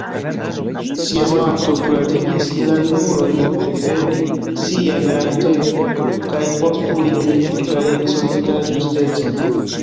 Siamanto kuraĝigis la junulojn defendi siajn rajtojn kaj postuli egalecon kaj justecon.